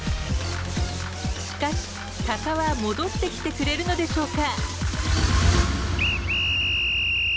しかし鷹は戻ってきてくれるのでしょうか？